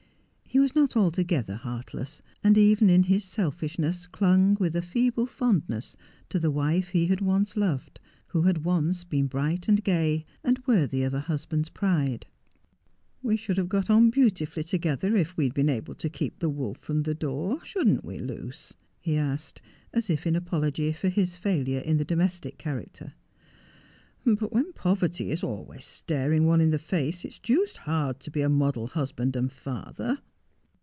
He was not altogether heartless, and even in his selfishness clung with a feeble fondness to the wife he had once loved, who had once been bright and gay, and worthy of a husband's pride. ' "We should have got on beautifully together if we had been able to keep the wolf from the door, shouldn't we, Luce 1 ' he asked, as if in apology for his failure in the domestic character. ' But when poverty is always staring one in the face, it's deuced hard to be a model husband and father.'